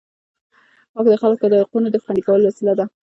واک د خلکو د حقونو د خوندي کولو وسیله ده.